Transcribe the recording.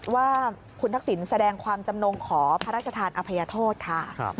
ว่าคุณทักษิณแสดงความจำนงขอพระราชทานอภัยโทษค่ะ